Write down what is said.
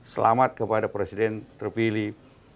selamat kepada presiden terpilih